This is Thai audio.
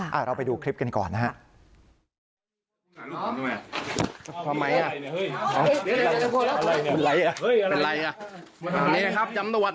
เอาเราไปดูคลิปกันก่อนนะฮะ